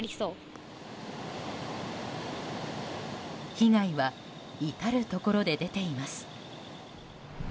被害は至るところで出ています。